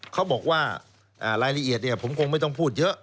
เขาบอกว่ารายละเอียดผมคงไม่ต้องพูดเยอะ